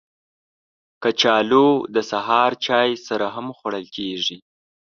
کچالو د سهار چای سره هم خوړل کېږي